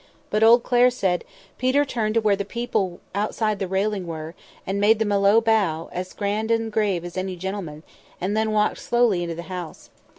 But old Clare said, Peter turned to where the people outside the railing were, and made them a low bow, as grand and as grave as any gentleman; and then walked slowly into the house.